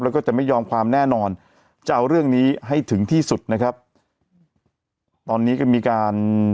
แล้วก็จะไม่ยอมความแน่นอนจะเอาเรื่องนี้ให้ถึงที่สุดนะครับตอนนี้ก็มีการ